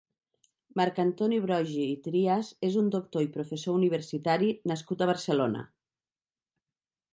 Marc Antoni Broggi i Trias és un doctor i professor universitari nascut a Barcelona.